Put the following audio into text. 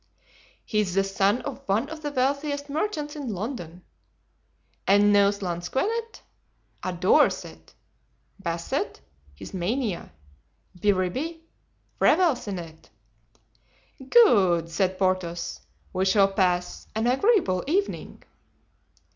"He's the son of one of the wealthiest merchants in London." "And knows lansquenet?" "Adores it." "Basset?" "His mania." "Biribi?" "Revels in it." "Good," said Porthos; "we shall pass an agreeable evening."